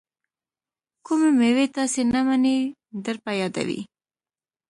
کومې میوې تاسې ته منی در په یادوي؟